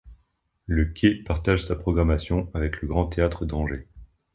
Le Quai partage sa programmation avec le Grand Théâtre d'Angers.